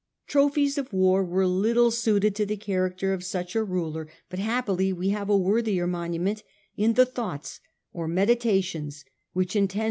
Trophies of war were little suited to the character of such a ruler, but happily we have a worthier monument in the ' Thoughts' or * Meditations ' which, intended for no II2 A.D.